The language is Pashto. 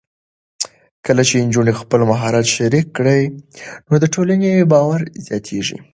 کله چې نجونې خپل مهارت شریک کړي، نو د ټولنې باور زیاتېږي.